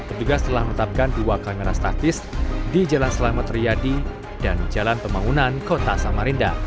petugas telah menetapkan dua kamera statis di jalan selamat riyadi dan jalan pembangunan kota samarinda